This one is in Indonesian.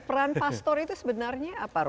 peran pastor itu sebenarnya apa